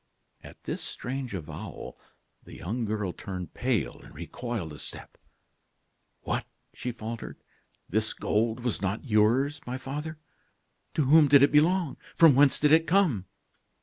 At this strange avowal the young girl turned pale and recoiled a step. "What?" she faltered; "this gold was not yours, my father? To whom did it belong? From whence did it come?"